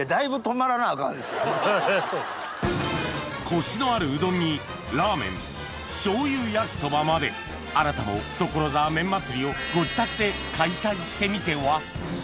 コシのあるうどんにラーメン醤油焼きそばまであなたも所沢麺祭りをご自宅で開催してみては？